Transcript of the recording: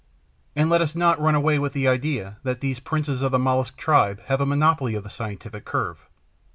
And let us not run away with the idea that these princes of the Mollusc tribe have a monopoly of the scientific curve.